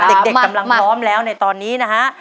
เด็กกำลังพร้อมแล้วในตอนนี้นะฮะ